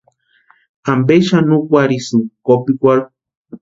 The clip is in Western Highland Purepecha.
¿Ampe xani úkwarhisïnki kopikwarhu?